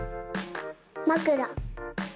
まくら。